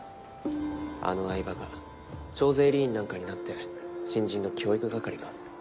あの饗庭が徴税吏員なんかになって新人の教育係か。